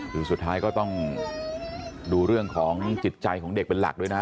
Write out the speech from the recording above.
คือสุดท้ายก็ต้องดูเรื่องของจิตใจของเด็กเป็นหลักด้วยนะ